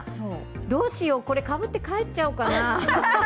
どうしよう、これ、かぶって帰っちゃおうかな。